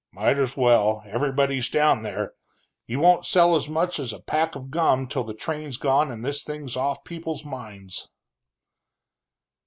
"Might as well, everybody's down there. You won't sell as much as a pack of gum till the train's gone and this thing's off of people's minds."